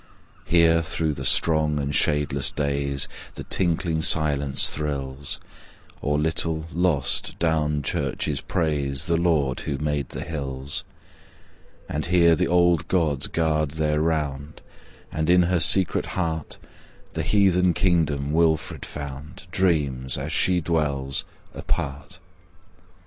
Here through the strong and shadeless days The tinkling silence thrills; Or little, lost, Down churches praise The Lord who made the hills: But here the Old Gods guard their round, And, in her secret heart, The heathen kingdom Wilfrid found Dreams, as she dwells, apart.